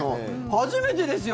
初めてですよ。